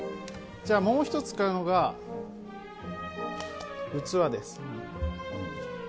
じゃあもう一つ使うのが器です。